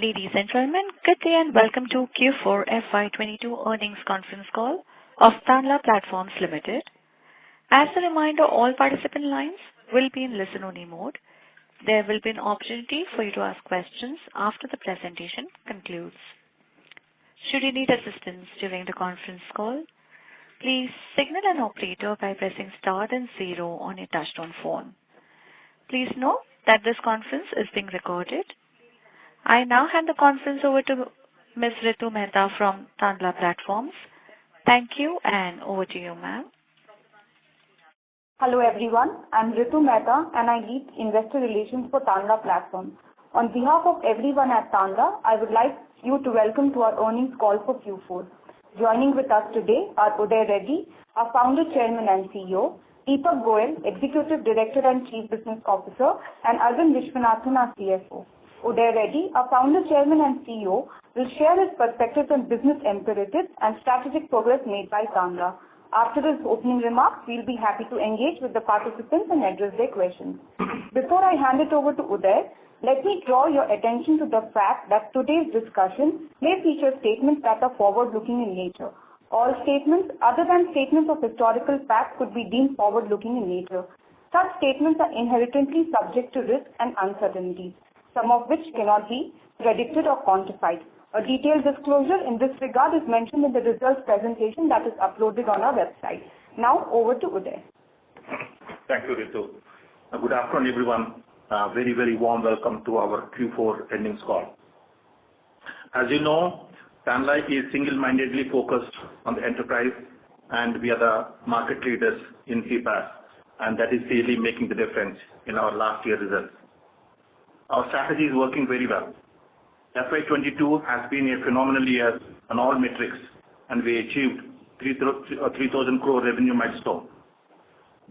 Ladies and gentlemen, good day and welcome to Q4 FY22 earnings conference call of Tanla Platforms Limited. As a reminder, all participant lines will be in listen-only mode. There will be an opportunity for you to ask questions after the presentation concludes. Should you need assistance during the conference call, please signal an operator by pressing star then zero on your touchtone phone. Please note that this conference is being recorded. I now hand the conference over to Ms. Ritu Mehta from Tanla Platforms. Thank you, and over to you, ma'am. Hello, everyone. I'm Ritu Mehta, and I lead investor relations for Tanla Platforms. On behalf of everyone at Tanla, I would like to welcome you to our earnings call for Q4. Joining us today are Uday Reddy, our Founder, Chairman, and CEO. Deepak Goyal, Executive Director and Chief Business Officer, and Aravind Viswanathan, our CFO. Uday Reddy, our Founder, Chairman, and CEO, will share his perspectives on business imperatives and strategic progress made by Tanla. After his opening remarks, we'll be happy to engage with the participants and address their questions. Before I hand it over to Uday, let me draw your attention to the fact that today's discussion may feature statements that are forward-looking in nature. All statements other than statements of historical fact could be deemed forward-looking in nature. Such statements are inherently subject to risks and uncertainties, some of which cannot be predicted or quantified. A detailed disclosure in this regard is mentioned in the results presentation that is uploaded on our website. Now over to Uday. Thank you, Ritu. Good afternoon, everyone. Very, very warm welcome to our Q4 earnings call. As you know, Tanla is single-mindedly focused on the enterprise, and we are the market leaders in CPaaS, and that is really making the difference in our last year results. Our strategy is working very well. FY 2022 has been a phenomenal year on all metrics, and we achieved 3,000 crore revenue milestone.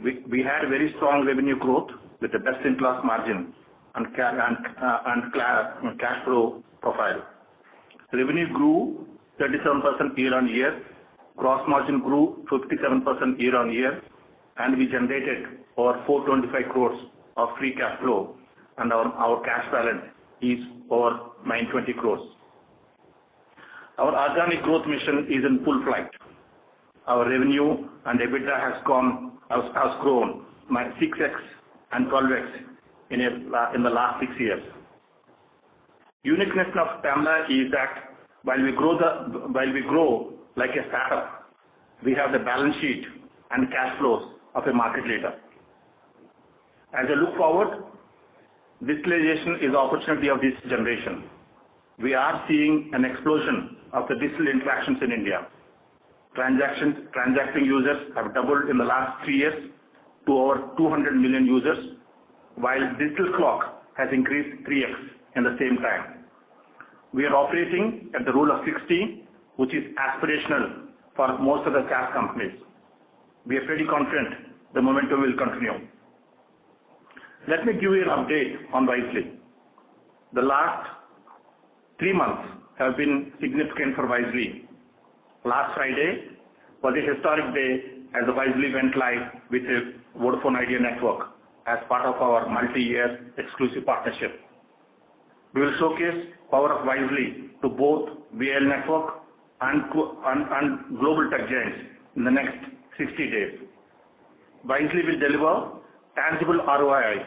We had very strong revenue growth with a best-in-class margin and cash flow profile. Revenue grew 37% year-on-year. Gross margin grew 57% year-on-year. We generated over 425 crore of free cash flow, and our cash balance is over 920 crore. Our organic growth mission is in full flight. Our revenue and EBITDA has grown by 6x and 12x in the last six years. Uniqueness of Tanla is that while we grow like a startup, we have the balance sheet and cash flows of a market leader. As I look forward, digitalization is the opportunity of this generation. We are seeing an explosion of the digital interactions in India. Transacting users have doubled in the last three years to over 200 million users, while digital lock has increased 3x in the same time. We are operating at the rule of sixty, which is aspirational for most of the SaaS companies. We are pretty confident the momentum will continue. Let me give you an update on Wisely. The last three months have been significant for Wisely. Last Friday was a historic day as Wisely went live with the Vodafone Idea network as part of our multi-year exclusive partnership. We will showcase power of Wisely to both Vi Network and global tech giants in the next 60 days. Wisely will deliver tangible ROI,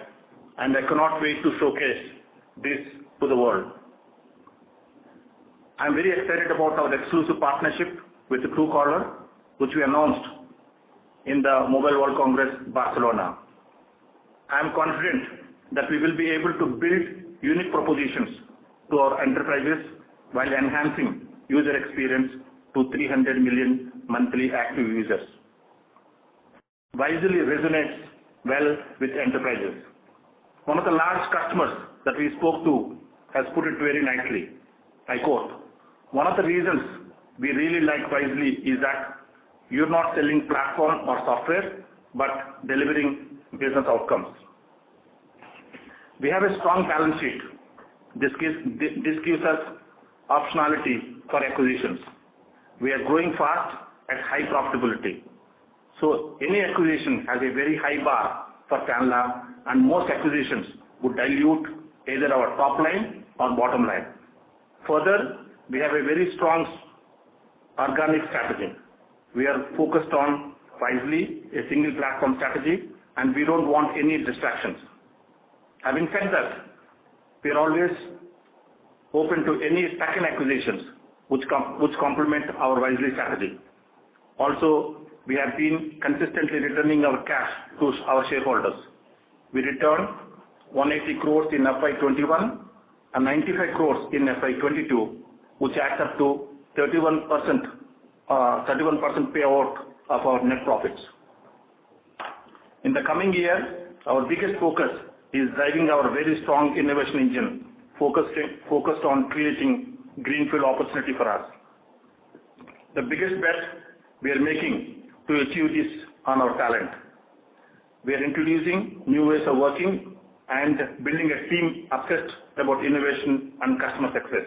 and I cannot wait to showcase this to the world. I'm very excited about our exclusive partnership with Truecaller, which we announced in the Mobile World Congress, Barcelona. I am confident that we will be able to build unique propositions to our enterprises while enhancing user experience to 300 million monthly active users. Wisely resonates well with enterprises. One of the large customers that we spoke to has put it very nicely. I quote, "One of the reasons we really like Wisely is that you are not selling platform or software, but delivering business outcomes." We have a strong balance sheet. This gives us optionality for acquisitions. We are growing fast at high profitability, so any acquisition has a very high bar for Tanla, and most acquisitions would dilute either our top line or bottom line. Further, we have a very strong organic strategy. We are focused on Wisely, a single platform strategy, and we don't want any distractions. Having said that, we are always open to any stacking acquisitions which complement our Wisely strategy. Also, we have been consistently returning our cash to our shareholders. We returned 180 crore in FY 2021 and 95 crore in FY 2022, which adds up to 31% payout of our net profits. In the coming year, our biggest focus is driving our very strong innovation engine, focused on creating greenfield opportunity for us. The biggest bet we are making to achieve this on our talent. We are introducing new ways of working and building a team obsessed about innovation and customer success.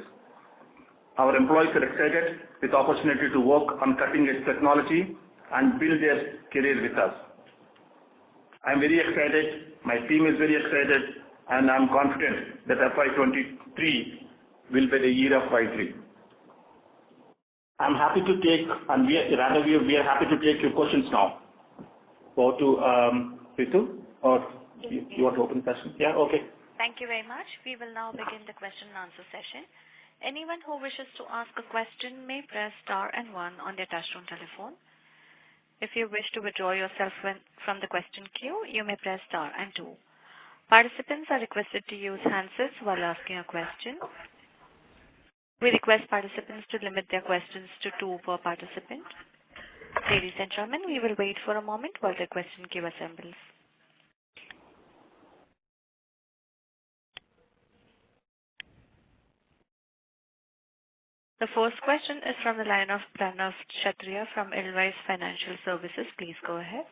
Our employees are excited with the opportunity to work on cutting-edge technology and build their career with us. I'm very excited. My team is very excited, and I'm confident that FY 2023 will be the year of Wisely. We are happy to take your questions now. Over to Ritu, or you want to open question? Yeah. Okay. Thank you very much. We will now begin the question and answer session. Anyone who wishes to ask a question may press star and one on their touch-tone telephone. If you wish to withdraw yourself from the question queue, you may press star and two. Participants are requested to use handsets while asking a question. We request participants to limit their questions to two per participant. Ladies and gentlemen, we will wait for a moment while the question queue assembles. The first question is from the line of Pranav Kshatriya from Edelweiss Financial Services. Please go ahead.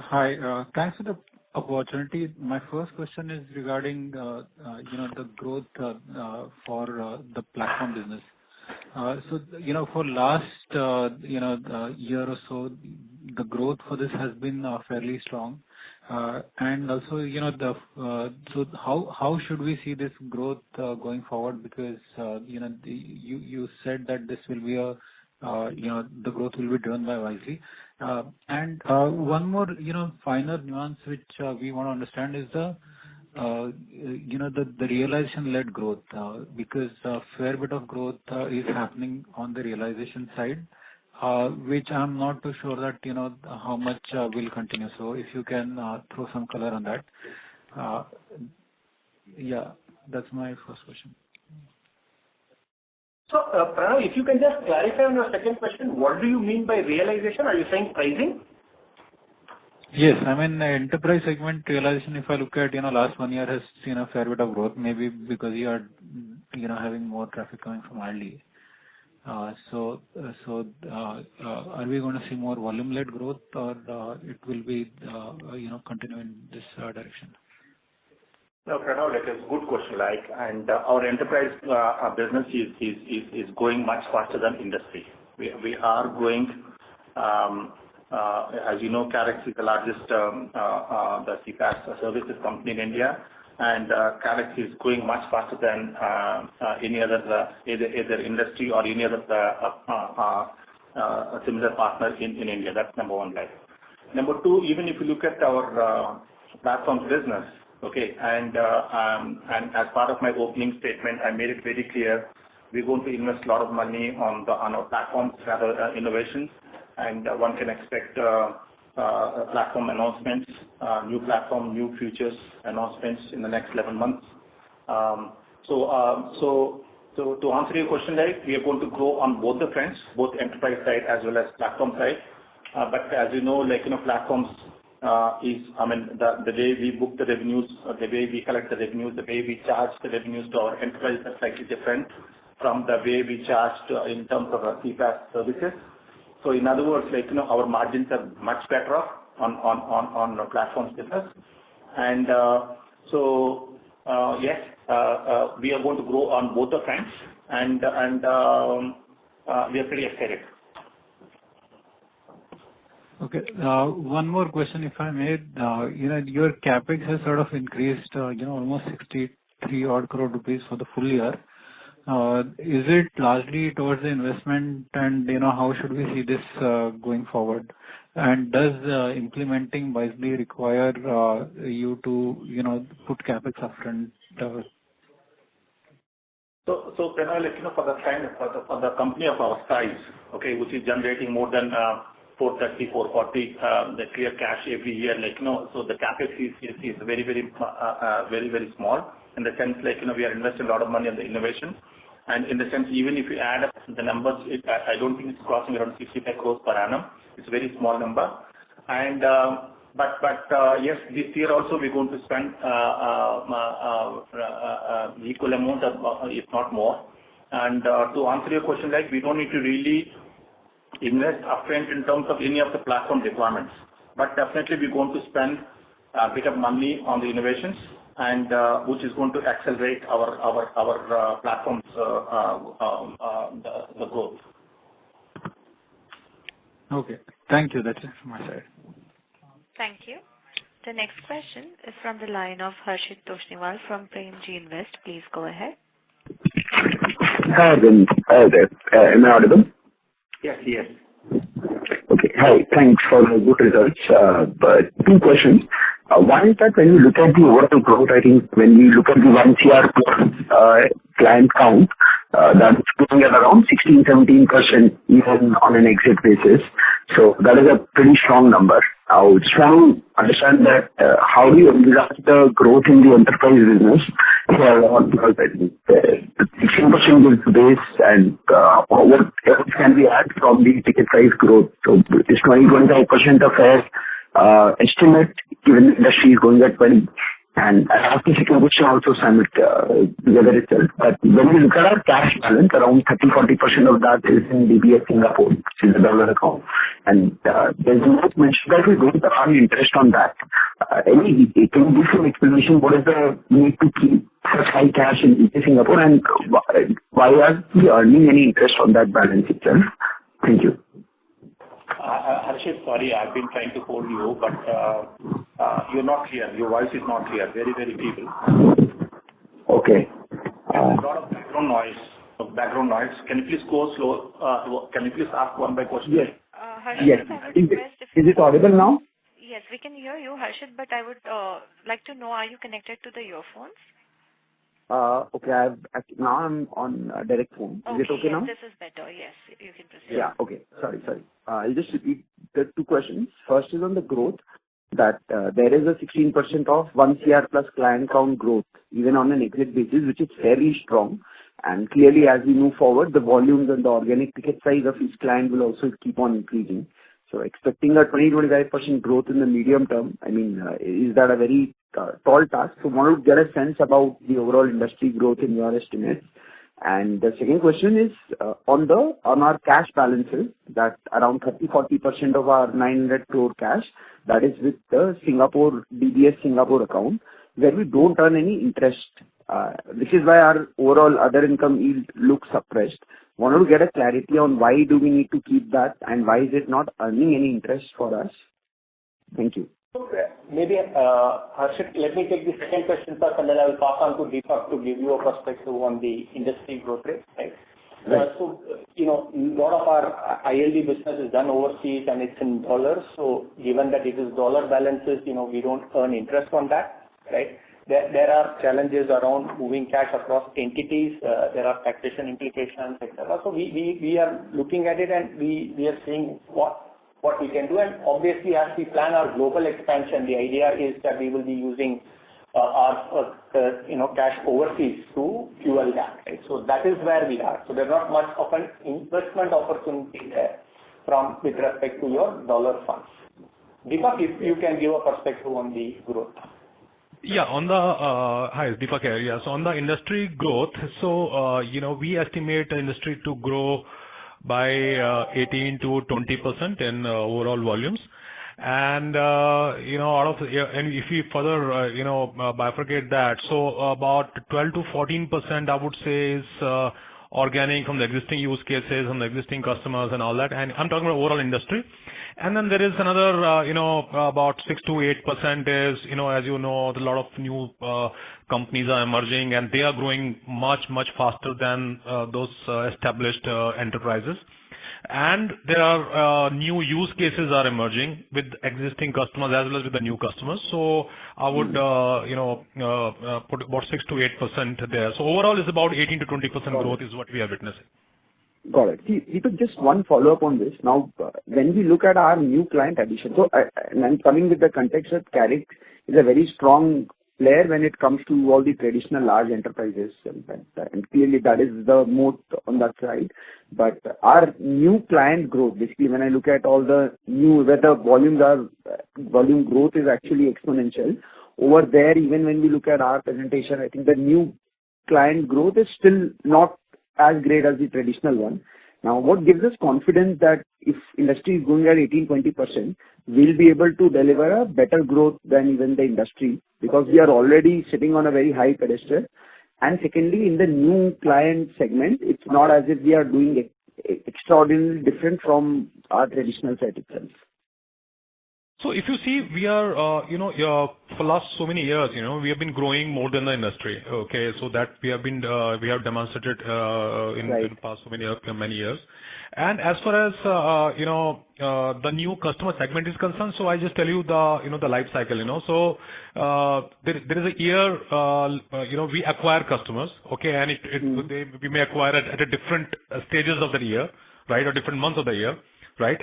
Hi. Thanks for the opportunity. My first question is regarding, you know, the growth for the platform business. You know, for last year or so, the growth for this has been fairly strong. Also, you know, how should we see this growth going forward? Because, you know, you said that this will be, you know, the growth will be driven by Wisely. One more, you know, finer nuance which we wanna understand is the, you know, the realization-led growth, because a fair bit of growth is happening on the realization side, which I'm not too sure that, you know, how much will continue. If you can throw some color on that. Yeah, that's my first question. Pranav, if you can just clarify on your second question, what do you mean by realization? Are you saying pricing? Yes. I mean, enterprise segment realization, if I look at, you know, last one year has seen a fair bit of growth, maybe because you are, you know, having more traffic coming from Airtel. Are we gonna see more volume-led growth or it will be, you know, continue in this direction? No, Pranav, that is good question, right. Our enterprise business is growing much faster than industry. We are growing, as you know, Karix is the largest CPaaS services company in India, and Karix is growing much faster than any other similar partner in India. That's number one, right. Number two, even if you look at our platforms business, okay, and as part of my opening statement, I made it very clear, we're going to invest a lot of money on our platform travel innovations, and one can expect platform announcements, new platform, new features announcements in the next 11 months. To answer your question, right, we are going to grow on both the fronts, both enterprise side as well as platform side. But as you know, like, you know, platforms is, I mean, the way we book the revenues or the way we collect the revenues, the way we charge the revenues to our enterprise is slightly different from the way we charge in terms of our CPaaS services. In other words, like, you know, our margins are much better off on our platform business. We are going to grow on both the fronts and we are pretty excited. Okay. One more question, if I may. You know, your CapEx has sort of increased, you know, almost 63 crore rupees for the full year. Is it largely towards the investment? You know, how should we see this going forward? Does implementing Wisely require you to, you know, put CapEx up front? Pranav, like, you know, for the size, for the company of our size, okay, which is generating more than 430-440 crore free cash every year, like, you know, the CapEx is very small in the sense like, you know, we are investing a lot of money on the innovation. In the sense even if you add up the numbers, I don't think it's crossing around 65 crore per annum. It's a very small number. Yes, this year also we're going to spend equal amount of, if not more. To answer your question, right, we don't need to really invest upfront in terms of any of the platform requirements. Definitely we're going to spend a bit of money on the innovations and which is going to accelerate our platforms, the growth. Okay. Thank you. That's it from my side. Thank you. The next question is from the line of Harshit Toshniwal from Premji Invest. Please go ahead. Hi, good. Hi there. Am I audible? Yes. Yes. Okay. Hi. Thanks for the good results. Two questions. One is that when you look at the overall growth, I think when we look at the 1 CR per client count, that's growing at around 16%-17% even on an exit basis. That is a pretty strong number. I would just want to understand that, how do you anticipate the growth in the enterprise business? The 16% is base and, what else can we add from the ticket size growth? It's 21%-25% of our estimate, even industry is growing at 20%. I'll ask a second question also similar to whether it's. When we look at our cash balance, around 30%-40% of that is in DBS Singapore, which is a dollar account. There's no mention that we're going to earn interest on that. Can you give some explanation what is the need to keep such high cash in Singapore, and why are we earning any interest on that balance itself? Thank you. Harshit, sorry, I've been trying to hold you, but you're not clear. Your voice is not clear. Very feeble. Okay. There's a lot of background noise. Background noise. Can you please go slow. Can you please ask one by one? Yes. Harshit, I would request if you Is it audible now? Yes, we can hear you, Harshit, but I would like to know, are you connected to the earphones? Okay. Now I'm on direct phone. Is it okay now? Okay. Yes, this is better. Yes. You can proceed. I'll just repeat the two questions. First is on the growth, that there is a 16% of 1 CR plus client count growth even on an exit basis, which is very strong. Clearly, as we move forward, the volumes and the organic ticket size of each client will also keep on increasing. Expecting a 20%-25% growth in the medium term, is that a very tall task? Want to get a sense about the overall industry growth in your estimates. The second question is on our cash balances, that around 30%-40% of our 900 crore cash that is with the Singapore, DBS Singapore account where we don't earn any interest. This is why our overall other income yield looks suppressed. Want to get a clarity on why do we need to keep that and why is it not earning any interest for us? Thank you. Maybe, Harshit, let me take the second question first, and then I will pass on to Deepak to give you a perspective on the industry growth rate. Right. Right. You know, a lot of our ILD business is done overseas and it's in U.S. dollars. Given that it is U.S. dollar balances, you know, we don't earn interest on that. Right. There are challenges around moving cash across entities. There are taxation implications, et cetera. We are looking at it and we are seeing what we can do. Obviously, as we plan our global expansion, the idea is that we will be using our, you know, cash overseas to fuel that. Right. That is where we are. There's not much of an investment opportunity therefrom with respect to your U.S. dollar funds. Deepak, if you can give a perspective on the growth. Hi, it's Deepak Goyal here. Yes, on the industry growth. You know, we estimate the industry to grow by 18%-20% in overall volumes. You know, if we further bifurcate that. About 12%-14% I would say is organic from the existing use cases, from the existing customers and all that. I'm talking about overall industry. Then there is another about 6%-8%. You know, as you know, there are a lot of new companies emerging and they are growing much, much faster than those established enterprises. New use cases are emerging with existing customers as well as with the new customers. I would, you know, put about 6%-8% there. Overall it's about 18%-20% growth is what we are witnessing. Got it. Harshit Toshniwal, just one follow-up on this. Now when we look at our new client acquisition. I'm coming with the context that Karix is a very strong player when it comes to all the traditional large enterprises, and clearly that is the moat on that side. Our new client growth, basically when I look at all the new where the volumes are, volume growth is actually exponential. Over there even when we look at our presentation, I think the new client growth is still not as great as the traditional one. Now what gives us confidence that if industry is growing at 18%-20%, we'll be able to deliver a better growth than even the industry because we are already sitting on a very high pedestal. Secondly, in the new client segment, it's not as if we are doing extraordinarily different from our traditional set itself. If you see, we are, you know, for last so many years, you know, we have been growing more than the industry. Okay. That we have been, we have demonstrated in the past many years. As far as, you know, the new customer segment is concerned, I just tell you the, you know, the life cycle, you know. There is a year, you know, we acquire customers. Okay. Mm-hmm. We may acquire it at different stages of the year, right? Or different month of the year, right?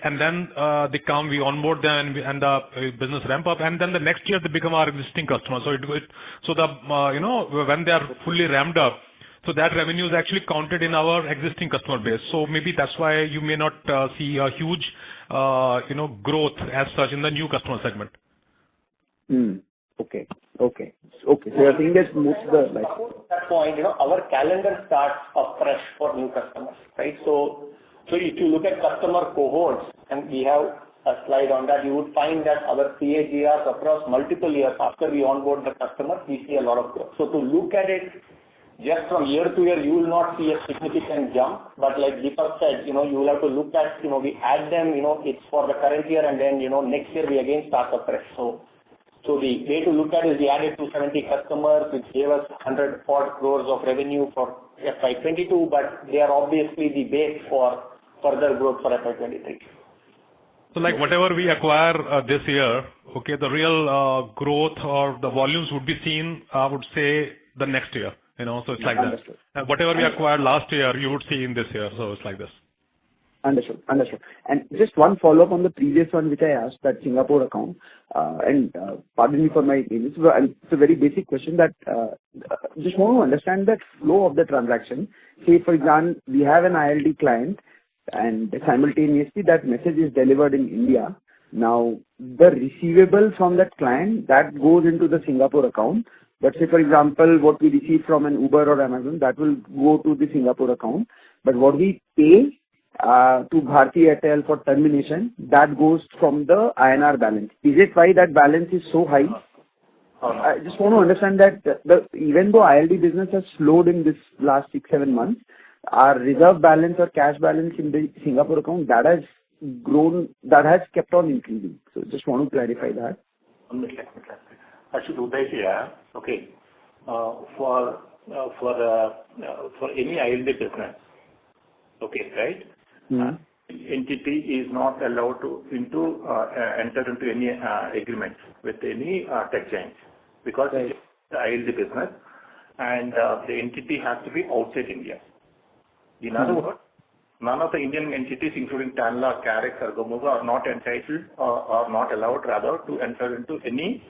They come, we onboard them, and we end up business ramp up, and then the next year they become our existing customers. You know, when they are fully ramped up, so that revenue is actually counted in our existing customer base. Maybe that's why you may not see a huge you know growth as such in the new customer segment. Okay. I think that moves the. That point, you know, our calendar starts afresh for new customers, right? If you look at customer cohorts, and we have a slide on that, you would find that our CAGR across multiple years after we onboard the customer, we see a lot of growth. To look at it just from year to year, you will not see a significant jump. Like Deepak said, you know, you will have to look at, you know, we add them, you know, it's for the current year and then, you know, next year we again start afresh. The way to look at it is we added 270 customers which gave us 104 crores of revenue for FY 2022, but they are obviously the base for further growth for FY 2023. Like whatever we acquire this year, okay, the real growth or the volumes would be seen, I would say the next year, you know. It's like that. Understood. Whatever we acquired last year, you would see in this year. It's like this. Understood. Just one follow-up on the previous one which I asked, that Singapore account. Pardon me for my English. It's a very basic question that just want to understand that flow of the transaction. Say for example we have an ILD client and simultaneously that message is delivered in India. Now the receivables from that client, that goes into the Singapore account. Let's say for example what we receive from an Uber or Amazon, that will go to the Singapore account. But what we pay to Bharti Airtel for termination, that goes from the INR balance. Is it why that balance is so high? Uh-huh. I just want to understand that, the even though ILD business has slowed in this last 6-7 months, our reserve balance or cash balance in the Singapore account, that has grown, that has kept on increasing. Just want to clarify that. One minute. Ashu, Uday here. Okay. For any ILD business. Okay. Right. Mm-hmm. Entity is not allowed to enter into any agreements with any tech change because. Right. It's ILD business and the entity has to be outside India. Mm-hmm. In other words, none of the Indian entities, including Tanla, Karix or Gamooga are not entitled or not allowed, rather, to enter into any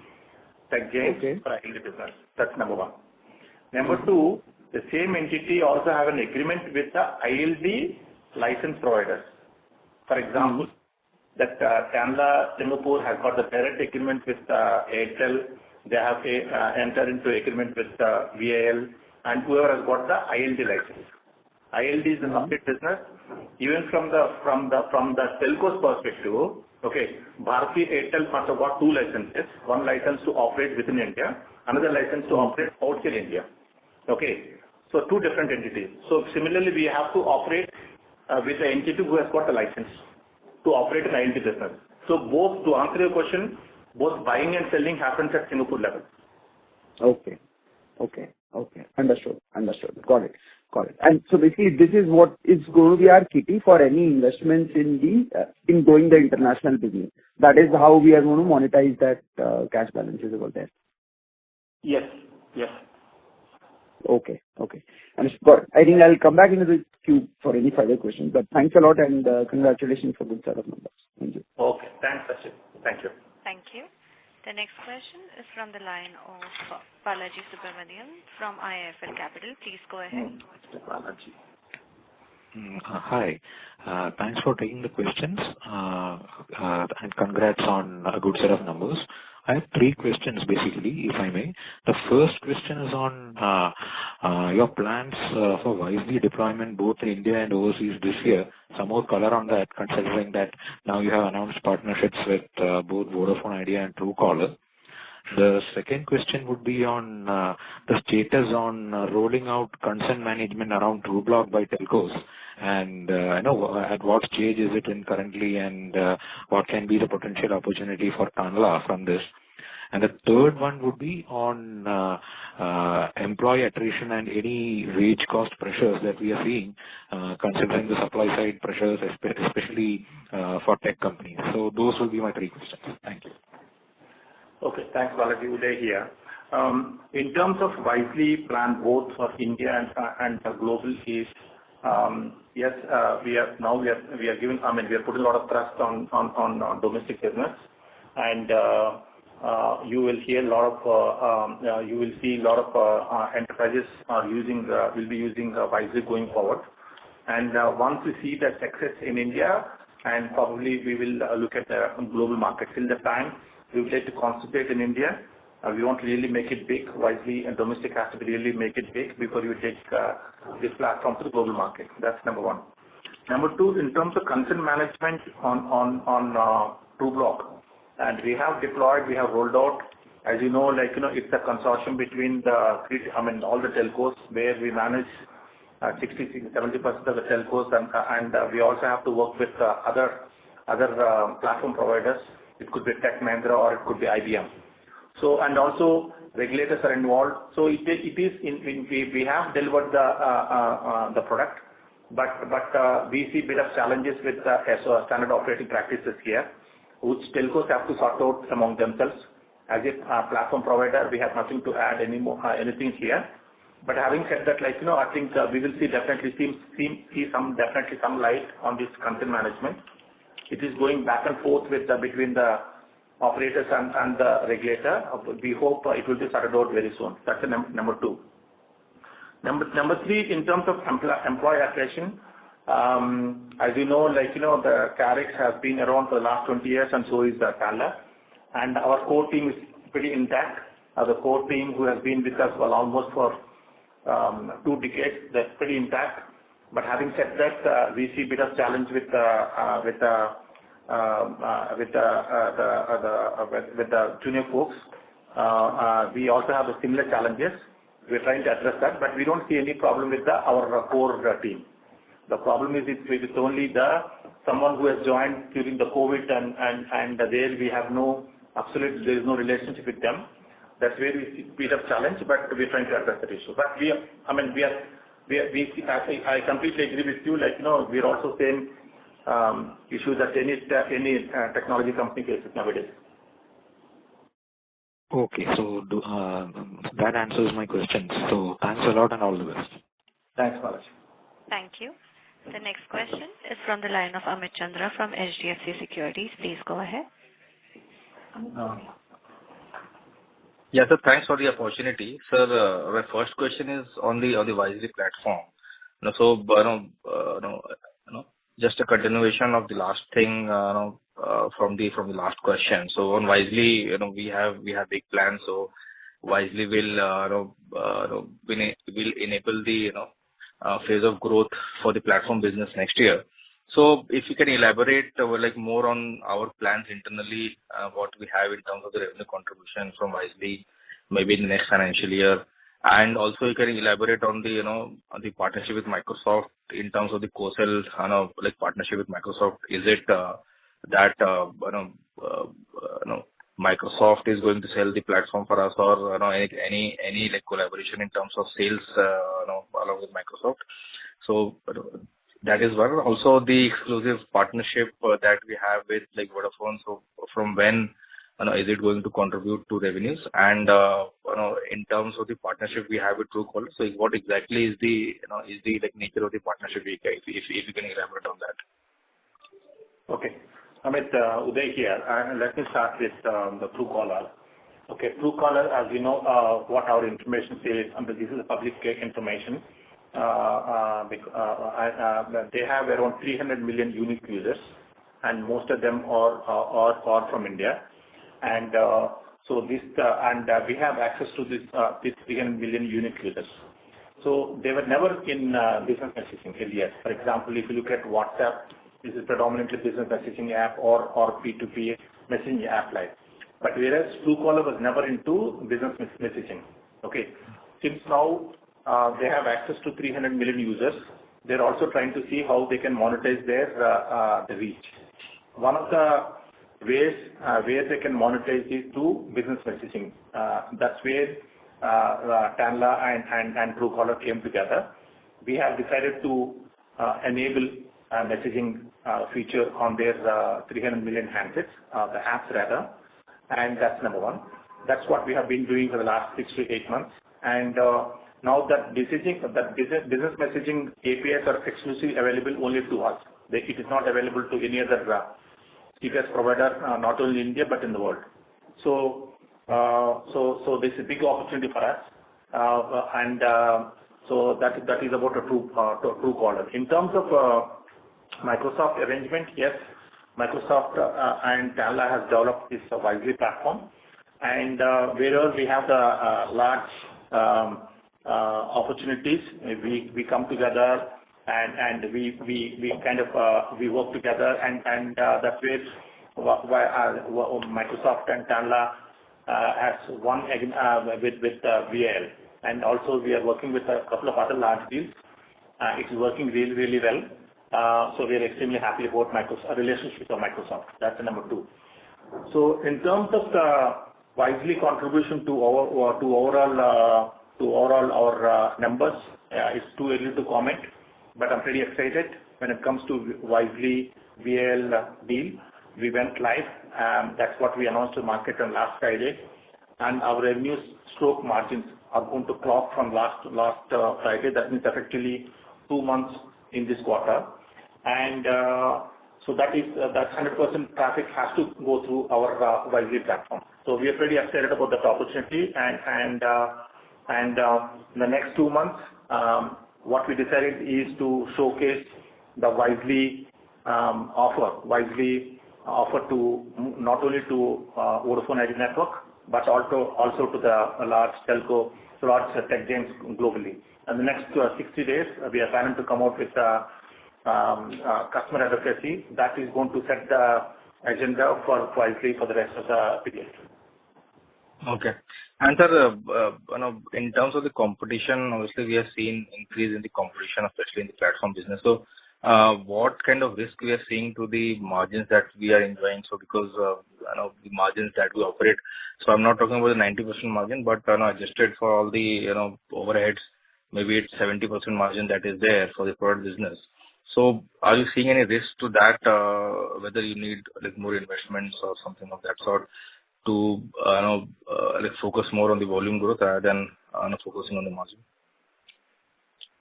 tech change. Okay. For ILD business. That's number one. Number two, the same entity also have an agreement with the ILD license providers. For example. Mm-hmm. That Tanla Singapore has got a direct agreement with Airtel. They have entered into agreement with VIL and whoever has got the ILD license. ILD is a market business. Even from the telcos perspective, okay, Bharti Airtel must have got two licenses. One license to operate within India, another license to operate outside India. Okay. So two different entities. So similarly, we have to operate with an entity who has got a license to operate as an ILD business. To answer your question, both buying and selling happens at Singapore level. Okay. Understood. Got it. Basically this is what is going to be our key for any investments in growing the international business. That is how we are gonna monetize that cash balances over there. Yes. Yes. Okay. Understood. I think I'll come back into the queue for any further questions. Thanks a lot and congratulations for good set of numbers. Thank you. Okay. Thanks, Ashu. Thank you. Thank you. The next question is from the line of Balaji Subramanian from IIFL Capital. Please go ahead. Balaji. Hi. Thanks for taking the questions. Congrats on a good set of numbers. I have three questions, basically, if I may. The first question is on your plans for Wisely deployment both in India and overseas this year. Some more color on that, considering that now you have announced partnerships with both Vodafone Idea and Truecaller. The second question would be on the status on rolling out consent management around Truecaller by telcos. You know, at what stage is it in currently, and what can be the potential opportunity for Tanla from this? The third one would be on employee attrition and any wage cost pressures that we are seeing, considering the supply side pressures, especially for tech companies. Those will be my three questions. Thank you. Okay. Thanks, Balaji. Uday here. In terms of Wisely plan, both for India and the global, yes, we are now putting a lot of thrust on domestic business. You will see a lot of enterprises will be using Wisely going forward. Once we see that success in India, and probably we will look at global markets. Till the time, we would like to concentrate in India. We want to really make it big. Wisely and domestic has to be really make it big before you take this platform to the global market. That's number one. Number two, in terms of consent management on Truecaller. We have deployed, we have rolled out, as you know, like, you know, it's a consortium between the three. I mean, all the telcos where we manage 60%-70% of the telcos. We also have to work with other platform providers. It could be Tech Mahindra or it could be IBM. Also regulators are involved. We have delivered the product, but we see a bit of challenges with the SOP, standard operating practices here, which telcos have to sort out among themselves. As a platform provider, we have nothing to add anymore here. Having said that, like, you know, I think we will definitely see some light on this consent management. It is going back and forth between the operators and the regulator. We hope it will be sorted out very soon. That's the number two. Number three, in terms of employee attrition. As you know, like, you know, Karix has been around for the last 20 years and so is Tanla. Our core team is pretty intact. The core team who has been with us for almost 2 decades, they're pretty intact. But having said that, we see a bit of challenge with the junior folks. We also have the similar challenges. We are trying to address that, but we don't see any problem with our core team. The problem is with only the someone who has joined during the COVID and there we have no relationship with them. Absolutely there is no relationship with them. That's where we see bit of challenge, but we're trying to address that issue. We are. I mean, we are. I completely agree with you. Like, you know, we are also facing issues that any tech any technology company faces nowadays. Okay. That answers my questions. Thanks a lot and all the best. Thanks, Balaji. Thank you. The next question is from the line of Amit Chandra from HDFC Securities. Please go ahead. Amit Chandra. Yes, sir. Thanks for the opportunity. Sir, my first question is on the Wisely platform. You know, just a continuation of the last thing from the last question. On Wisely, you know, we have big plans. Wisely will enable the, you know- A phase of growth for the platform business next year. If you can elaborate, like more on our plans internally, what we have in terms of the revenue contribution from Wisely maybe in the next financial year. Also if you can elaborate on the, you know, on the partnership with Microsoft in terms of the co-sales and, like, partnership with Microsoft. Is it, that, you know, you know, Microsoft is going to sell the platform for us? Or, you know, any, like, collaboration in terms of sales, you know, along with Microsoft. That is one. Also the exclusive partnership, that we have with, like, Vodafone. From when, you know, is it going to contribute to revenues? You know, in terms of the partnership we have with Truecaller, so what exactly is the, you know, like, nature of the partnership, if you can elaborate on that? Okay. Amit, Uday here. Let me start with the Truecaller. Okay, Truecaller, as you know, what our information say is, and this is a public information. They have around 300 million unique users, and most of them are from India. This and we have access to this 300 million unique users. They were never in business messaging earlier. For example, if you look at WhatsApp, this is predominantly business messaging app or P2P messaging app, like. Whereas Truecaller was never into business messaging. Okay? Since now, they have access to 300 million users, they're also trying to see how they can monetize their reach. One of the ways they can monetize is through business messaging. That's where Tanla and Truecaller came together. We have decided to enable a messaging feature on their 300 million handsets, the apps rather. That's number one. That's what we have been doing for the last 6-8 months. Now that messaging, the business messaging APIs are exclusively available only to us. Like, it is not available to any other CPaaS provider, not only in India, but in the world. This is big opportunity for us. That is about the Truecaller. In terms of Microsoft arrangement, yes, Microsoft and Tanla have developed this Wisely platform. Wherever we have the large opportunities, we come together and we work together and that's where Microsoft and Tanla has one agreement with Vi. Also we are working with a couple of other large deals. It is working really well. We are extremely happy about our relationship with Microsoft. That's number two. In terms of the Wisely contribution to our overall numbers, it's too early to comment, but I'm pretty excited. When it comes to Wisely Vi deal, we went live. That's what we announced to market on last Friday. Our revenues slope margins are going to clock from last Friday. That means effectively two months in this quarter. That 100% traffic has to go through our Wisely platform. We are pretty excited about that opportunity. In the next 2 months, what we decided is to showcase the Wisely offer to not only Vodafone Idea network, but also to the large telco, large tech giants globally. In the next 60 days, we are planning to come out with customer advocacy. That is going to set the agenda for Wisely for the rest of the fiscal year. Okay. Sir, you know, in terms of the competition, obviously we are seeing increase in the competition, especially in the platform business. What kind of risk we are seeing to the margins that we are enjoying? Because, you know, the margins that we operate. I'm not talking about the 90% margin, but, you know, adjusted for all the, you know, overheads, maybe it's 70% margin that is there for the product business. Are you seeing any risk to that, whether you need, like, more investments or something of that sort to, you know, like, focus more on the volume growth rather than, you know, focusing on the margin?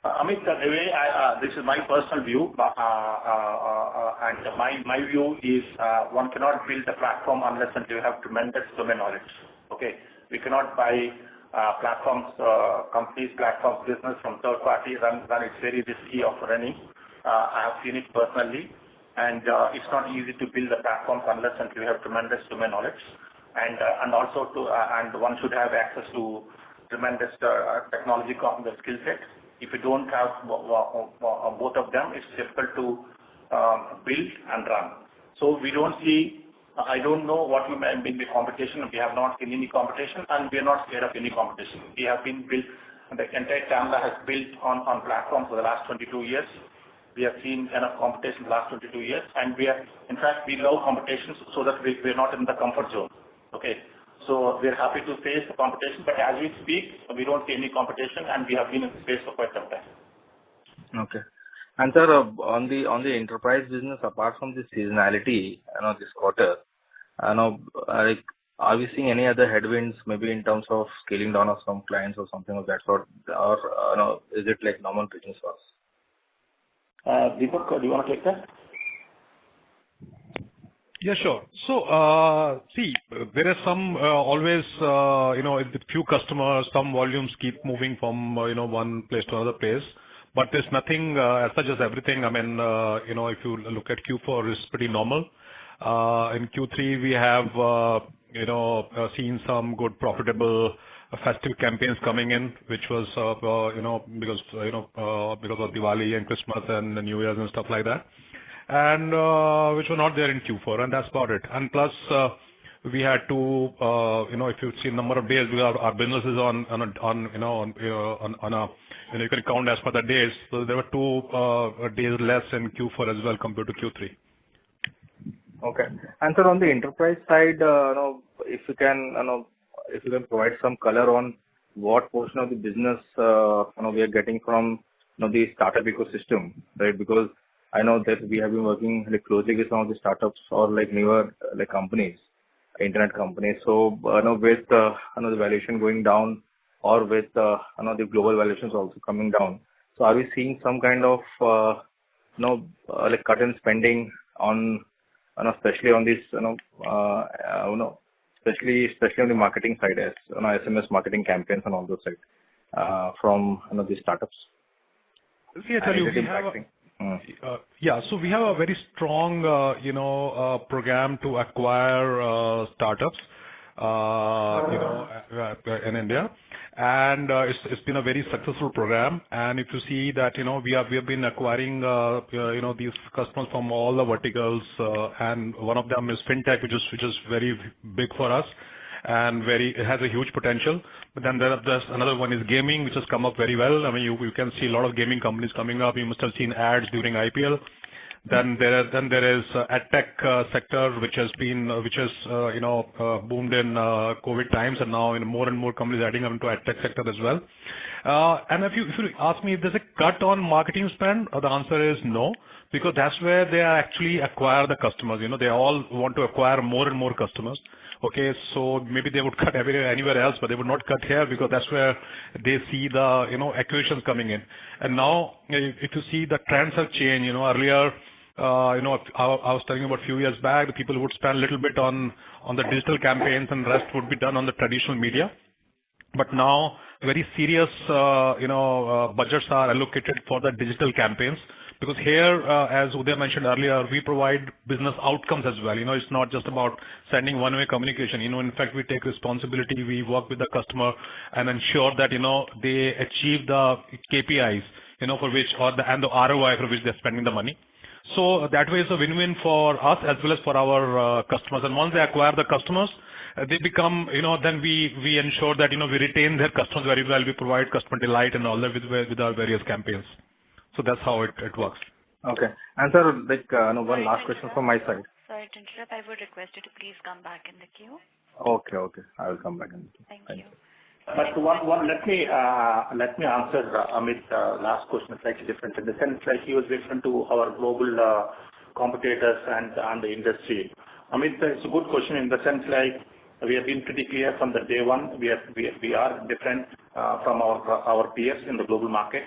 Amit, this is my personal view. One cannot build a platform unless and until you have tremendous domain knowledge. Okay? We cannot buy platforms, complete platform business from third parties. That is very risky of running. I have seen it personally, and it's not easy to build a platform unless and until you have tremendous domain knowledge. One should have access to tremendous technology competence skill set. If you don't have both of them, it's difficult to build and run. We don't see. I don't know what you mean by competition. We have not seen any competition, and we are not scared of any competition. We have been built, the entire Tanla has built on platform for the last 22 years. We have seen enough competition in the last 22 years, and in fact, we love competitions so that we're not in the comfort zone. Okay? We are happy to face the competition. As we speak, we don't see any competition, and we have been in this space for quite some time. Okay. Sir, on the enterprise business, apart from the seasonality, you know, this quarter, you know, like, are we seeing any other headwinds maybe in terms of scaling down of some clients or something of that sort? Or, you know, is it like normal business for us? Deepak, do you wanna take that? Yeah, sure. See, there are some always, you know, few customers, some volumes keep moving from, you know, one place to another place. There's nothing as such as everything. I mean, you know, if you look at Q4, it's pretty normal. In Q3 we have, you know, seen some good profitable festive campaigns coming in, which was, well, you know, because of Diwali and Christmas and the New Year's and stuff like that, and which were not there in Q4, and that's about it. Plus, we had to, you know, if you see number of days, our business is on a. You know, you can count as per the days. There were two days less in Q4 as well compared to Q3. Okay. Sir, on the enterprise side, you know, if you can provide some color on what portion of the business, you know, we are getting from the startup ecosystem, right? Because I know that we have been working, like, closely with some of the startups or like newer, like, companies, internet companies. You know, with the valuation going down or with the global valuations also coming down. Are we seeing some kind of, you know, like, cut in spending on you know, especially on this, you know, especially on the marketing side as you know, SMS marketing campaigns and all those side, from the startups. Let me tell you, we have How is it impacting? Yeah. We have a very strong, you know, program to acquire startups, you know, in India. It's been a very successful program. If you see that, you know, we have been acquiring, you know, these customers from all the verticals, and one of them is fintech, which is very big for us. It has a huge potential. There's another one, gaming, which has come up very well. I mean, you can see a lot of gaming companies coming up. You must have seen ads during IPL. There is edtech sector, which has boomed in COVID times, and now you know, more and more companies are adding on to edtech sector as well. And if you ask me if there's a cut on marketing spend, the answer is no, because that's where they are actually acquire the customers. You know, they all want to acquire more and more customers, okay? Maybe they would cut everywhere, anywhere else, but they would not cut here because that's where they see the acquisitions coming in. Now if you see the trends have changed. You know, earlier, you know, I was telling you about a few years back, people would spend a little bit on the digital campaigns, and rest would be done on the traditional media. Now very serious, you know, budgets are allocated for the digital campaigns because here, as Uday mentioned earlier, we provide business outcomes as well. You know, it's not just about sending one-way communication. You know, in fact, we take responsibility. We work with the customer and ensure that, you know, they achieve the KPIs, you know, for which, and the ROI for which they're spending the money. So that way it's a win-win for us as well as for our customers. Once they acquire the customers, they become, you know. We ensure that, you know, we retain their customers very well. We provide customer delight and all that with our various campaigns. That's how it works. Okay. Sir, like, one last question from my side. Sorry to interrupt. I would request you to please come back in the queue. Okay. I will come back in the queue. Thank you. Thank you. Let me answer Amit's last question slightly different in the sense like he was referring to our global competitors and the industry. Amit, it's a good question in the sense like we have been pretty clear from day one. We are different from our peers in the global market.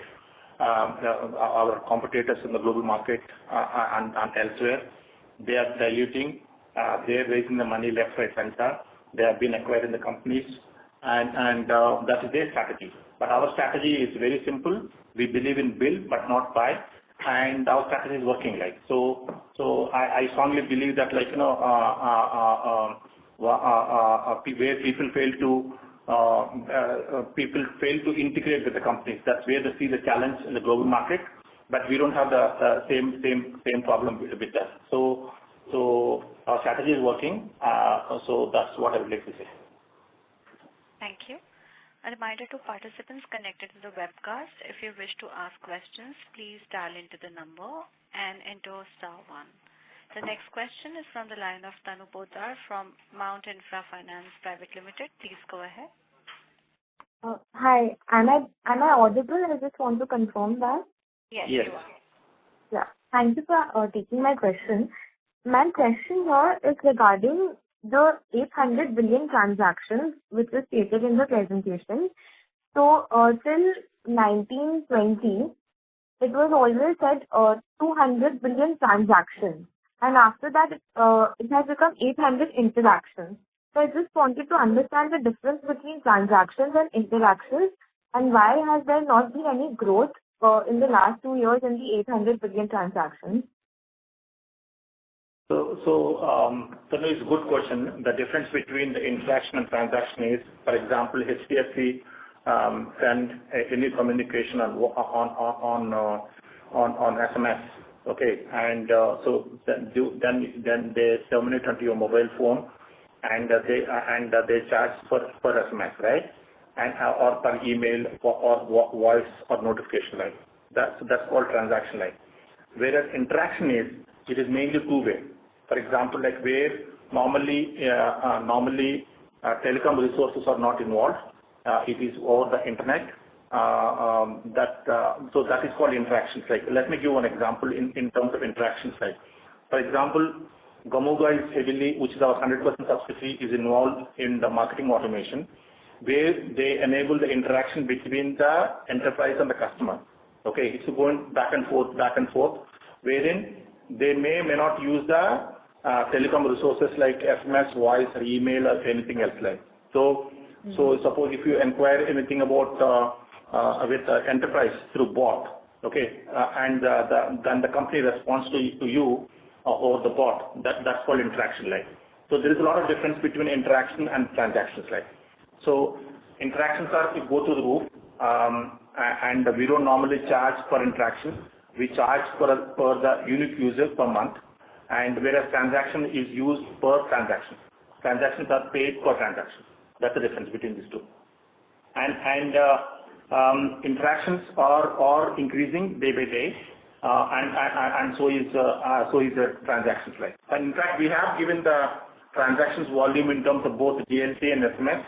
Our competitors in the global market and elsewhere, they are diluting. They are raising the money left, right, center. They have been acquiring the companies and that is their strategy. Our strategy is very simple. We believe in build but not buy, and our strategy is working right. I strongly believe that like, you know, where people fail to integrate with the companies, that's where they see the challenge in the global market. We don't have the same problem with that. Our strategy is working. That's what I would like to say. Thank you. A reminder to participants connected to the webcast, if you wish to ask questions, please dial into the number and enter star one. The next question is from the line of Tanu Potdar from Mount Infra Finance Private Limited. Please go ahead. Hi. Am I audible? I just want to confirm that. Yes, you are. Yeah. Thank you for taking my question. My question here is regarding the 800 billion transactions which is stated in the presentation. Till 2020, it was always said, 200 billion transactions, and after that, it has become 800 interactions. I just wanted to understand the difference between transactions and interactions, and why has there not been any growth in the last 2 years in the 800 billion transactions? Tanu, it's a good question. The difference between the interaction and transaction is, for example, HDFC sends any communication on SMS. Okay? Then they terminate onto your mobile phone, and they charge per SMS, right? Or per email or voice or notification like. That's called transaction like. Whereas interaction is, it is mainly two-way. For example, where normally telecom resources are not involved, it is over the internet. That is called interaction type. Let me give one example in terms of interaction type. For example, Gamooga, which is our 100% subsidiary, is involved in the marketing automation, where they enable the interaction between the enterprise and the customer. Okay? It's going back and forth, back and forth, wherein they may or may not use the telecom resources like SMS, voice or email or anything else like. Mm-hmm. Suppose if you inquire anything about with enterprise through bot, okay, and the company responds to you. The bot. That's called interaction rate. There is a lot of difference between interaction and transaction rate. Interactions are, they go through the roof, and we don't normally charge per interaction. We charge per the unique user per month, and whereas transaction is used per transaction. Transactions are paid per transaction. That's the difference between these two. Interactions are increasing day by day. So is the transaction rate. In fact, we have given the transactions volume in terms of both DLT and SMS,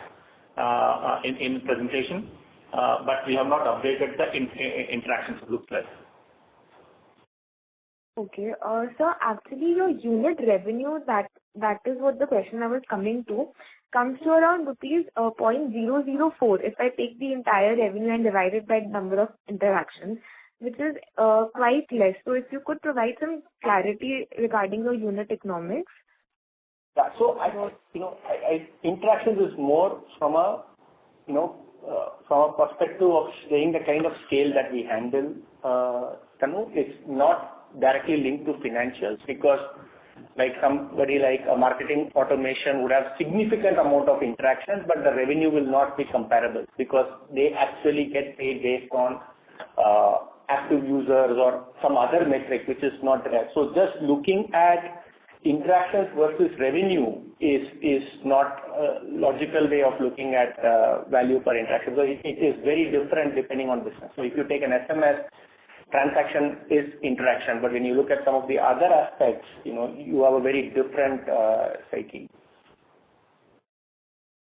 in presentation, but we have not updated the interactions growth rate. Okay. Sir, actually your unit revenue, that is what the question I was coming to. Comes to around rupees 0.004. If I take the entire revenue and divide it by number of interactions, which is quite less. If you could provide some clarity regarding your unit economics. Interaction is more from a, you know, from a perspective of saying the kind of scale that we handle, Tanu. It's not directly linked to financials because like somebody like a marketing automation would have significant amount of interactions, but the revenue will not be comparable because they actually get paid based on active users or some other metric which is not there. Just looking at interactions versus revenue is not a logical way of looking at value per interaction. It is very different depending on business. If you take an SMS, transaction is interaction, but when you look at some of the other aspects, you know, you have a very different psyche.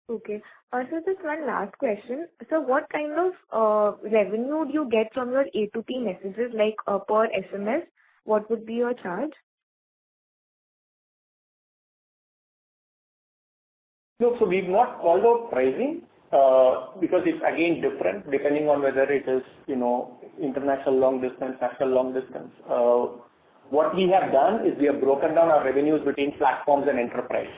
Okay. Sir, just one last question. What kind of revenue do you get from your A2P messages, like, per SMS, what would be your charge? No. We have not called out pricing, because it's again different depending on whether it is, you know, international long distance, national long distance. What we have done is we have broken down our revenues between platforms and enterprise.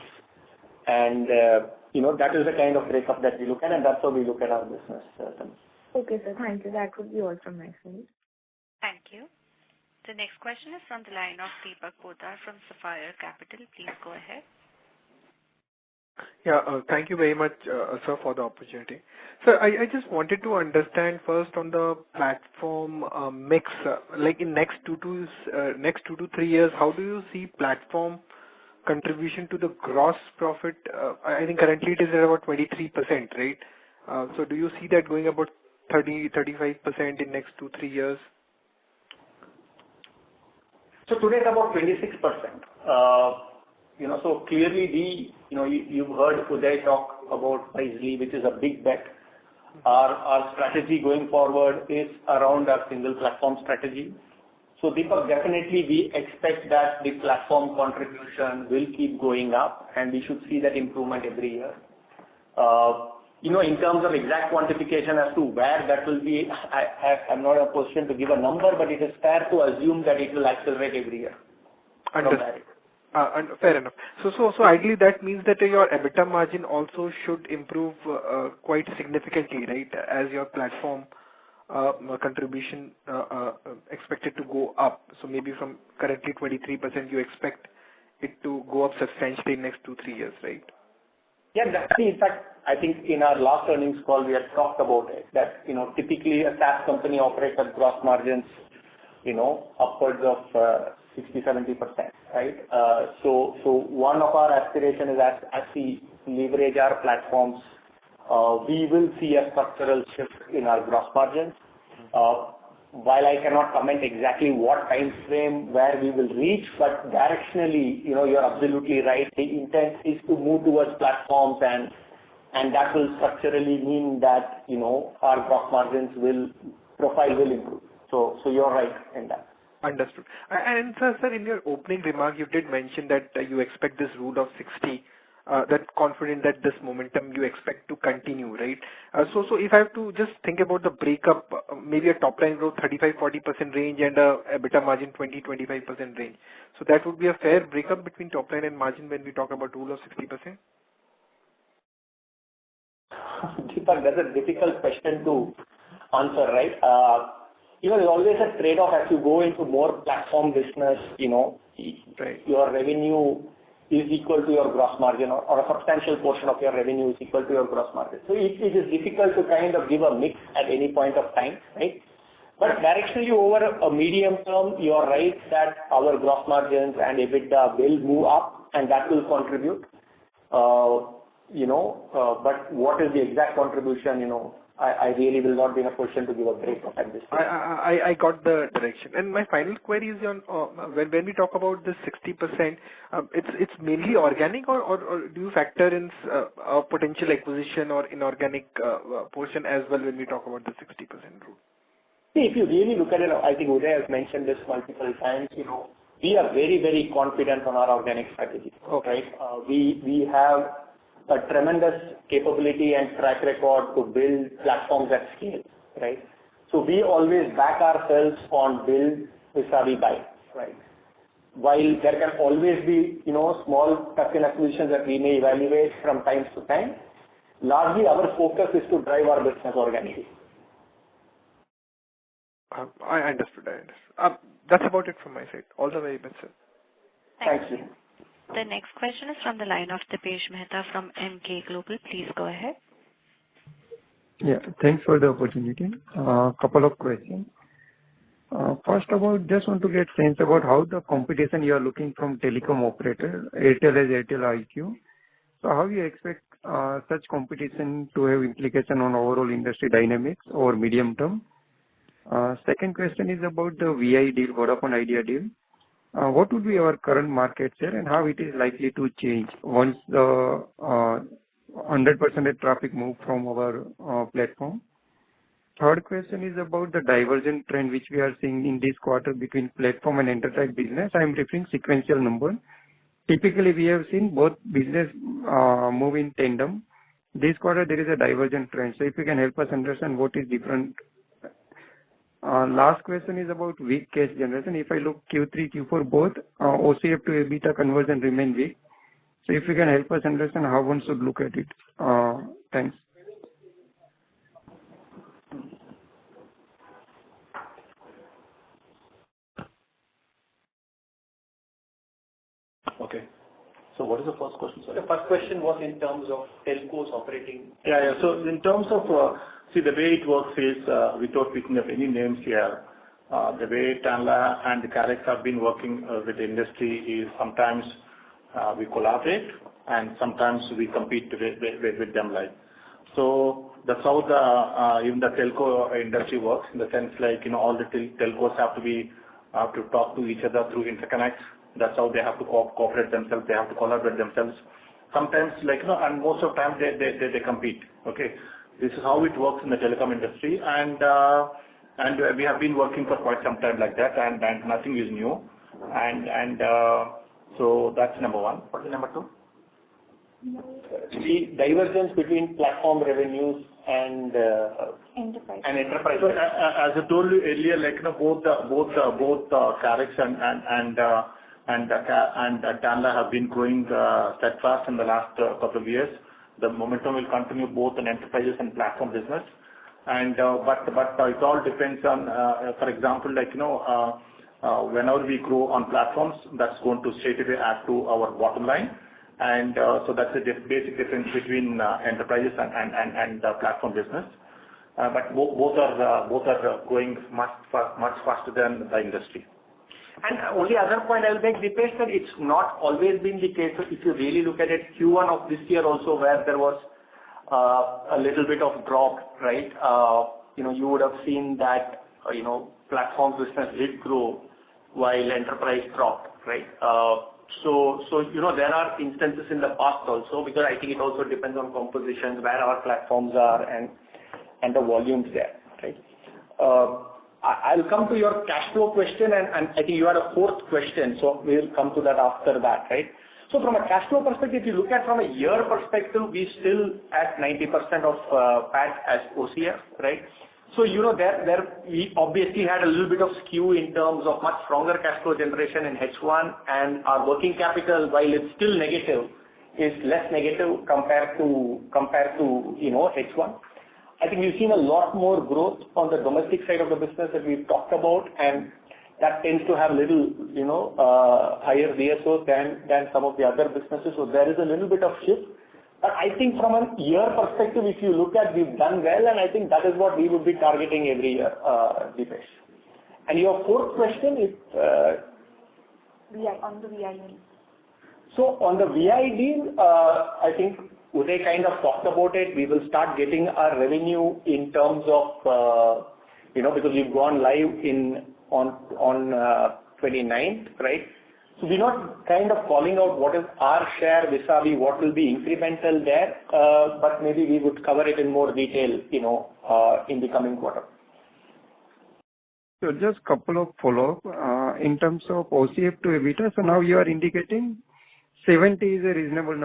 You know, that is the kind of breakup that we look at, and that's how we look at our business systems. Okay, sir. Thank you. That would be all from my side. Thank you. The next question is from the line of Deepak Poddar from Sapphire Capital. Please go ahead. Yeah. Thank you very much, sir, for the opportunity. I just wanted to understand first on the platform mix. Like in next 2-3 years, how do you see platform contribution to the gross profit? I think currently it is about 23%, right? Do you see that going about 30-35% in next 2-3 years? Today it's about 26%. Clearly we've heard Uday talk about Prizee, which is a big bet. Our strategy going forward is around our single platform strategy. Deepak, definitely we expect that the platform contribution will keep going up, and we should see that improvement every year. In terms of exact quantification as to where that will be, I'm not in a position to give a number, but it is fair to assume that it will accelerate every year. Understood. From that. Fair enough. Ideally that means that your EBITDA margin also should improve quite significantly, right? As your platform contribution expected to go up. Maybe from currently 23%, you expect it to go up substantially next two, three years, right? Yeah, definitely. In fact, I think in our last earnings call we had talked about it. That, you know, typically a SaaS company operates on gross margins, you know, upwards of 60%-70%, right? So one of our aspirations is as we leverage our platforms, we will see a structural shift in our gross margins. While I cannot comment exactly what timeframe where we will reach, but directionally, you know, you're absolutely right. The intent is to move towards platforms and that will structurally mean that, you know, our gross margins profile will improve. So you are right in that. Understood. Sir, in your opening remark, you did mention that you expect this Rule of 60, that you're confident that this momentum you expect to continue, right? If I have to just think about the breakup, maybe a top-line growth 35%-40% range and an EBITDA margin 20%-25% range. That would be a fair breakup between top line and margin when we talk about Rule of 60%. Deepak, that's a difficult question to answer, right? You know, there is always a trade-off as you go into more platform business, you know. Right. Your revenue is equal to your gross margin or a substantial portion of your revenue is equal to your gross margin. It is difficult to kind of give a mix at any point of time, right? Directionally over a medium term, you are right that our gross margins and EBITDA will move up, and that will contribute, you know. What is the exact contribution, you know, I really will not be in a position to give a break-up at this point. I got the direction. My final query is on when we talk about the 60%, it's mainly organic or do you factor in potential acquisition or inorganic portion as well when we talk about the 60% rule? See, if you really look at it, I think Uday has mentioned this multiple times, you know. We are very, very confident on our organic strategy. Okay. Right? We have a tremendous capability and track record to build platforms at scale, right? We always back ourselves on build vis-a-vis buy. Right. While there can always be, you know, small tuck-in acquisitions that we may evaluate from time to time, largely our focus is to drive our business organically. I understood. That's about it from my side. All the very best, sir. Thank you. The next question is from the line of Dipesh Mehta from Emkay Global. Please go ahead. Yeah. Thanks for the opportunity. Couple of questions. First of all, just want to get sense about how the competition you are looking from telecom operator, Airtel has Airtel IQ. So how you expect such competition to have implication on overall industry dynamics over medium term? Second question is about the Vi deal, Vodafone Idea deal. What would be your current market share and how it is likely to change once the 100% traffic move from our platform? Third question is about the divergent trend which we are seeing in this quarter between platform and enterprise business. I'm referring sequential number. Typically, we have seen both business move in tandem. This quarter there is a divergent trend. If you can help us understand what is different. Last question is about weak cash generation. If I look Q3, Q4 both, OCF to EBITDA conversion remain weak. If you can help us understand how one should look at it? Thanks. Okay. What is the first question, sorry? The first question was in terms of telcos operating. Yeah, yeah. In terms of, see the way it works is, without speaking of any names here, the way Tanla and Karix have been working with industry is sometimes we collaborate and sometimes we compete with them, like. That's how even the telco industry works, in the sense like, you know, all the telcos have to talk to each other through interconnect. That's how they have to cooperate themselves. They have to collaborate themselves. Sometimes, like, you know, and most of the time they compete. Okay. This is how it works in the telecom industry. We have been working for quite some time like that, so that's number one. What is number two? The divergence between platform revenues and Enterprise. Enterprise. As I told you earlier, like, you know, both Karix and Tanla have been growing steadfast in the last couple of years. The momentum will continue both in enterprises and platform business. But it all depends on, for example, like, you know, whenever we grow on platforms, that's going to straightaway add to our bottom line. So that's the distinct difference between enterprises and the platform business. But both are growing much faster than the industry. Only other point I'll make, Dipesh, that it's not always been the case. If you really look at it, Q1 of this year also where there was a little bit of drop, right? You know, you would have seen that, you know, platform business did grow while enterprise dropped, right? You know, there are instances in the past also because I think it also depends on compositions, where our platforms are and the volumes there, right? I'll come to your cash flow question and I think you had a fourth question, so we'll come to that after that, right? From a cash flow perspective, if you look at from a year perspective, we still at 90% of PAT as OCF, right? You know, there we obviously had a little bit of skew in terms of much stronger cash flow generation in H1 and our working capital, while it's still negative, is less negative compared to, you know, H1. I think we've seen a lot more growth on the domestic side of the business that we've talked about, and that tends to have little, you know, higher DSOs than some of the other businesses. There is a little bit of shift. I think from a year perspective, if you look at, we've done well, and I think that is what we would be targeting every year, Dipesh. Your fourth question is... Vi. On the Vi. On the Vi deal, I think Uday kind of talked about it. We will start getting our revenue in terms of, you know, because we have gone live on the 29th, right? We're not kind of calling out what is our share vis-a-vis what will be incremental there, but maybe we would cover it in more detail, you know, in the coming quarter. Just couple of follow-up. In terms of OCF to EBITDA, now you are indicating 70% is a reasonable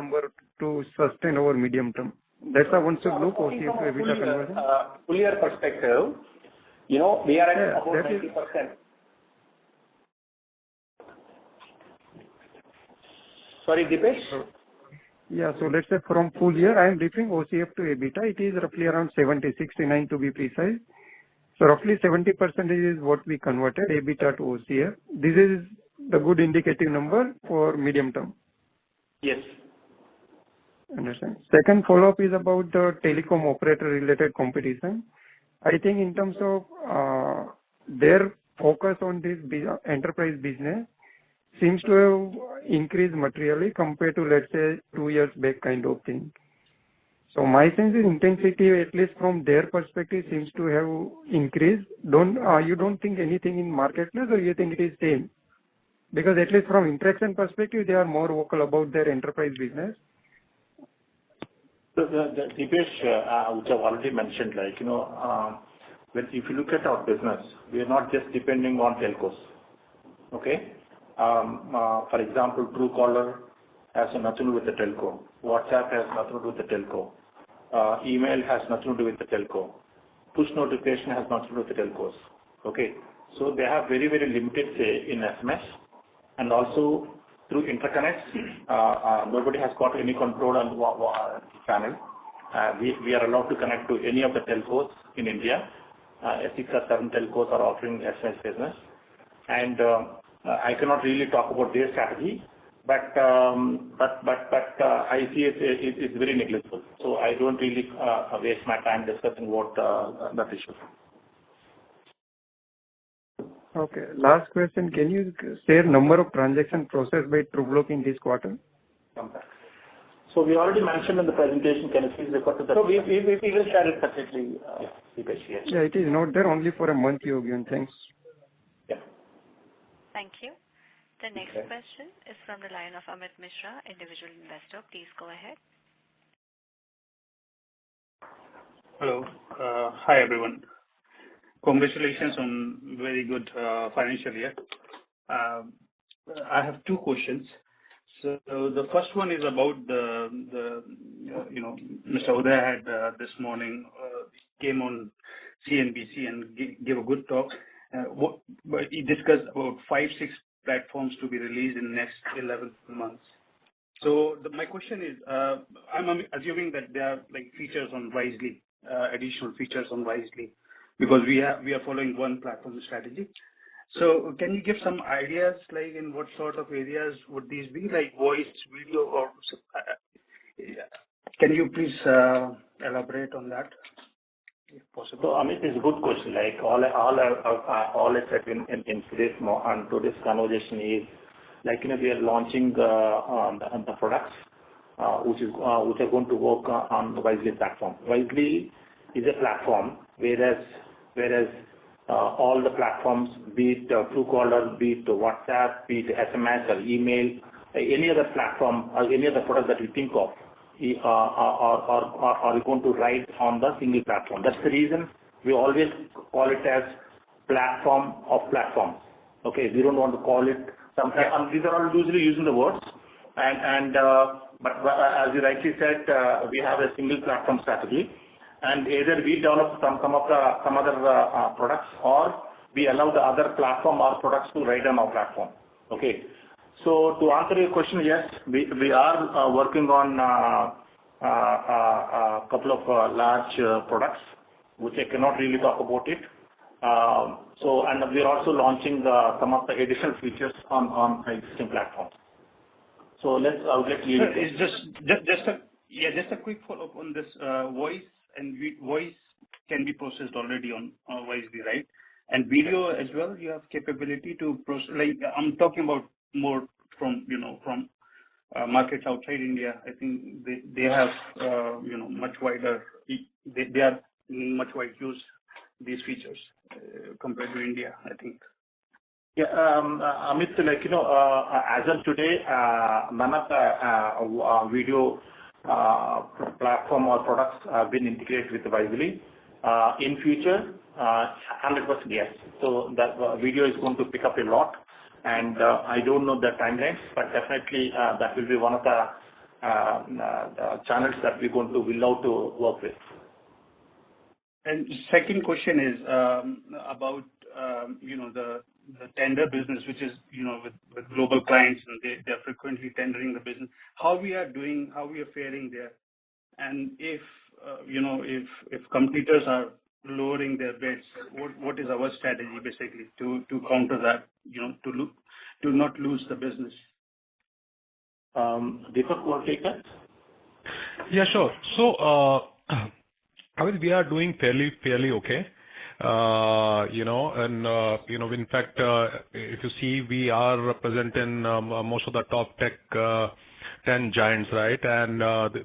number to sustain over medium term. That's how once you look OCF to EBITDA conversion. From a full year perspective, you know, we are at about 90%. Yeah. Sorry, Dipesh? Yeah. Let's say from full year, I am referring OCF to EBITDA. It is roughly around 70, 69 to be precise. Roughly 70% is what we converted EBITDA to OCF. This is the good indicative number for medium term. Yes. Understand. Second follow-up is about the telecom operator-related competition. I think in terms of their focus on this enterprise business seems to have increased materially compared to, let's say, two years back kind of thing. My sense is intensity, at least from their perspective, seems to have increased. You don't think anything in marketplace or you think it is same? Because at least from interaction perspective, they are more vocal about their enterprise business. Dipesh, which I've already mentioned, like, you know, like if you look at our business, we are not just depending on telcos. Okay? For example, Truecaller has nothing to do with the telco. WhatsApp has nothing to do with the telco. Email has nothing to do with the telco. Push notification has nothing to do with the telcos. Okay? They have very, very limited say in SMS. And also through interconnects, nobody has got any control on channel. We are allowed to connect to any of the telcos in India. I think seven telcos are offering SMS business. I cannot really talk about their strategy, but I see it's very negligible. I don't really waste my time discussing what that issue. Okay. Last question. Can you share number of transactions processed by Truecaller in this quarter? We already mentioned in the presentation. Can you please refer to the presentation? We will share it separately with you. Yeah, it is not there only for a month you're given. Thanks. Yeah. Thank you. The next question is from the line of Amit Mishra, Individual Investor. Please go ahead. Hello. Hi everyone. Congratulations on very good financial year. I have two questions. The first one is about the you know, Mr. Uday Reddy this morning came on CNBC and give a good talk. He discussed about 5, 6 platforms to be released in next 11 months. My question is, I'm assuming that there are like features on Wisely, additional features on Wisely, because we are following one platform strategy. Can you give some ideas like in what sort of areas would these be like voice, video or. Can you please elaborate on that? If possible. Amit, it's a good question. Like, all I said in today's conversation is, like, you know, we are launching the products which are going to work on Wisely platform. Wisely is a platform whereas all the platforms, be it Truecaller, be it WhatsApp, be it SMS or email, any other platform or any other product that you think of are going to ride on the single platform. That's the reason we always call it as platform of platforms. Okay. We don't want to call it some platform. These are all usually used in the words and. As you rightly said, we have a single platform strategy, and either we develop some of the other products or we allow the other platform or products to ride on our platform. Okay. To answer your question, yes, we are working on a couple of large products, which I cannot really talk about it. We are also launching some of the additional features on existing platforms. Let's. I'll let Deepak Goyal. Yeah, just a quick follow-up on this. Voice can be processed already on Wisely, right? And video as well, you have capability to process. Like I'm talking about more from, you know, markets outside India. I think they have, you know, much wider use of these features compared to India, I think. Amit, like, you know, as of today, none of the video platform or products have been integrated with Wisely. In future, 100% yes. That video is going to pick up a lot. I don't know the time frame, but definitely, that will be one of the channels that we're going to allow to work with. Second question is about you know the tender business which is you know with global clients and they're frequently tendering the business. How we are doing how we are faring there? If competitors are lowering their bids what is our strategy basically to counter that you know to not lose the business? Deepak, you wanna take that? Yeah, sure. Amit, we are doing fairly okay. You know, in fact, if you see, we are representing most of the top ten tech giants, right?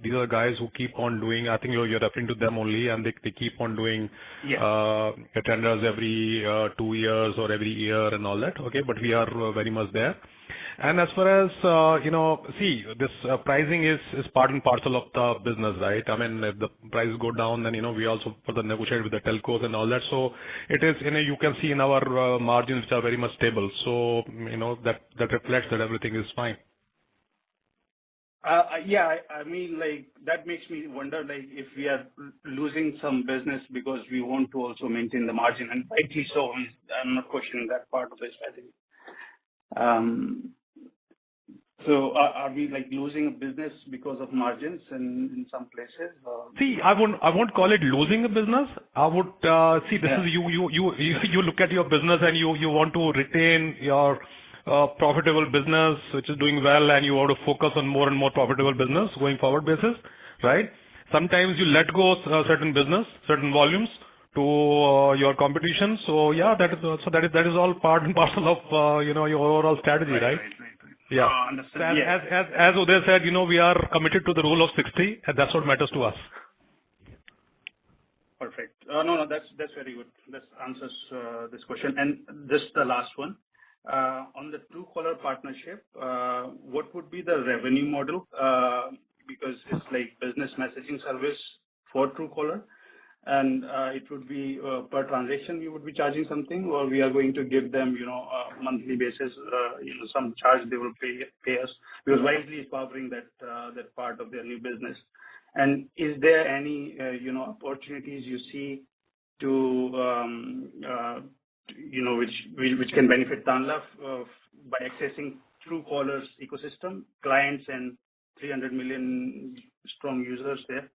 These are guys who keep on doing. I think you're referring to them only, and they keep on doing. Yes. The tenders every two years or every year and all that. Okay. We are very much there. As far as, you know, see, this pricing is part and parcel of the business, right? I mean, if the prices go down then, you know, we also further negotiate with the telcos and all that. It is, you know, you can see in our margins are very much stable. You know, that reflects that everything is fine. Yeah. I mean, like, that makes me wonder, like, if we are losing some business because we want to also maintain the margin, and rightly so. I'm not questioning that part of the strategy. Are we, like, losing business because of margins in some places or? See, I wouldn't call it losing a business. I would, Yeah. See, this is you look at your business and you want to retain your profitable business which is doing well and you want to focus on more and more profitable business going forward basis, right? Sometimes you let go certain business, certain volumes to your competition. Yeah, that is all part and parcel of you know, your overall strategy, right? Right. Right. Right. Yeah. Understood. Yeah. As Uday said, you know, we are committed to the rule of sixty, and that's what matters to us. Perfect. No, no, that's very good. This answers this question. This is the last one. On the Truecaller partnership, what would be the revenue model? Because it's like business messaging service for Truecaller and it would be per transaction you would be charging something or we are going to give them, you know, a monthly basis, you know, some charge they will pay us because Wisely is powering that part of their new business. Is there any opportunities you see, you know, which can benefit Tanla by accessing Truecaller's ecosystem, clients and 300 million-strong users there.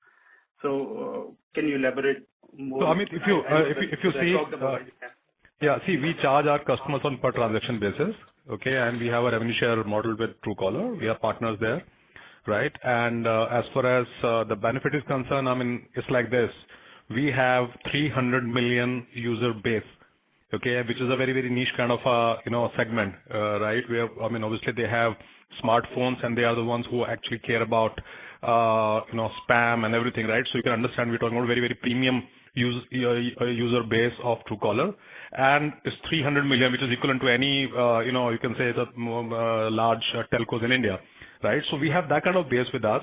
Can you elaborate more? Amit, if you see. See, we charge our customers on per transaction basis, okay? We have a revenue share model with Truecaller. We are partners there, right? As far as the benefit is concerned, I mean, it's like this, we have 300 million user base, okay? Which is a very, very niche kind of segment, right? Obviously, they have smartphones, and they are the ones who actually care about spam and everything, right? You can understand we're talking about very, very premium user base of Truecaller. It's 300 million, which is equivalent to any large telcos in India, right? We have that kind of base with us.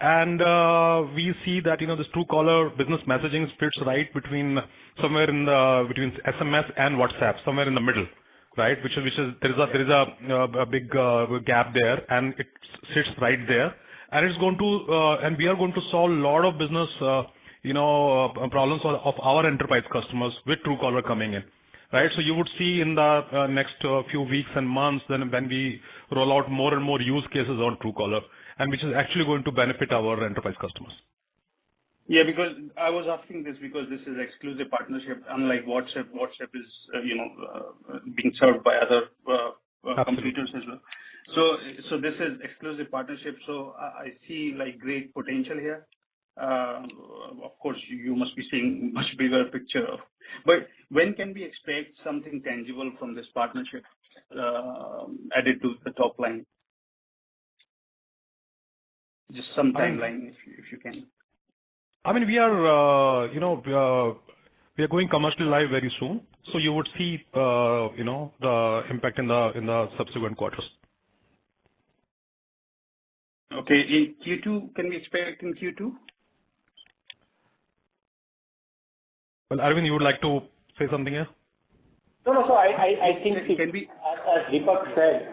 We see that, you know, this Truecaller business messaging fits right between SMS and WhatsApp, somewhere in the middle, right? Which is, there is a big gap there, and it sits right there. We are going to solve a lot of business, you know, problems of our enterprise customers with Truecaller coming in, right? You would see in the next few weeks and months then when we roll out more and more use cases on Truecaller, and which is actually going to benefit our enterprise customers. Yeah. Because I was asking this because this is exclusive partnership, unlike WhatsApp. WhatsApp is being served by other competitors as well. This is exclusive partnership, so I see, like, great potential here. Of course, you must be seeing much bigger picture. When can we expect something tangible from this partnership added to the top line? Just some timeline, if you can. I mean, you know, we are going commercially live very soon. You would see, you know, the impact in the subsequent quarters. Okay. Can we expect in Q2? Well, Aravind, you would like to say something here? No, no. I think. Can we As Deepak said,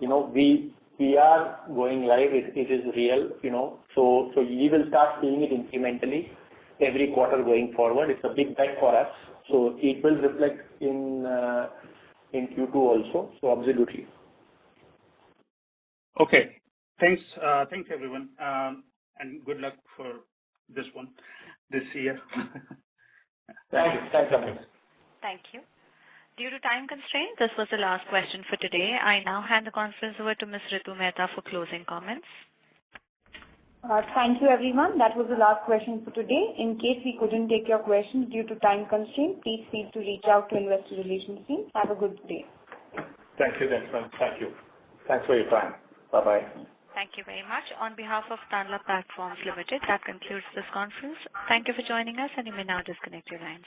you know, we are going live. It is real, you know. You will start seeing it incrementally every quarter going forward. It's a big bet for us, so it will reflect in Q2 also, absolutely. Okay. Thanks, everyone. Good luck for this one, this year. Thank you. Thanks, Amit. Thank you. Due to time constraint, this was the last question for today. I now hand the conference over to Ms. Ritu Mehta for closing comments. Thank you, everyone. That was the last question for today. In case we couldn't take your question due to time constraint, please feel free to reach out to investor relations team. Have a good day. Thank you then. Thank you. Thanks for your time. Bye-bye. Thank you very much. On behalf of Tanla Platforms Limited, that concludes this conference. Thank you for joining us, and you may now disconnect your lines.